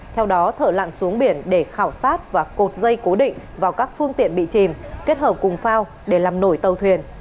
theo đó thợ lặn xuống biển để khảo sát và cột dây cố định vào các phương tiện bị chìm kết hợp cùng phao để làm nổi tàu thuyền